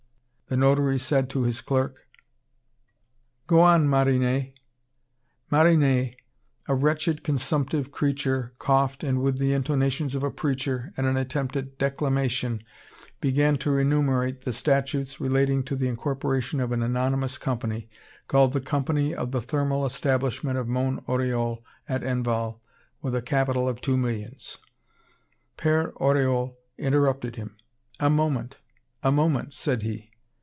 The notary said to his clerk: "Go on, Marinet." Marinet, a wretched consumptive creature, coughed, and with the intonations of a preacher, and an attempt at declamation, began to enumerate the statutes relating to the incorporation of an anonymous Company, called the Company of the Thermal Establishment of Mont Oriol at Enval with a capital of two millions. Père Oriol interrupted him: "A moment, a moment," said he.